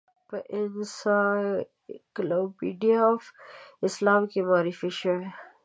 په انسایکلوپیډیا آف اسلام کې معرفي شوې.